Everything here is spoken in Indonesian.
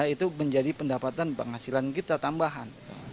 itu menjadi pendapatan penghasilan kita tambahan